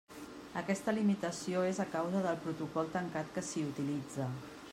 Aquesta limitació és a causa del protocol tancat que s'hi utilitza.